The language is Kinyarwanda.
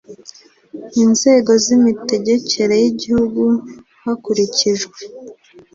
inzego z imitegekere y igihugu hakurikijwe